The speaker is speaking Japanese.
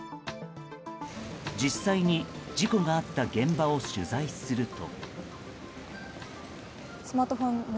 実際に事故があった現場を取材すると。